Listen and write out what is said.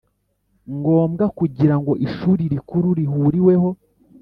Ngombwa kugira ngo ishuri rikuru rihuriweho